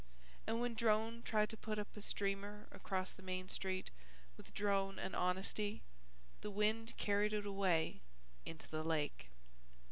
And when Drone tried to put up a streamer across the Main Street with DRONE AND HONESTY the wind carried it away into the lake.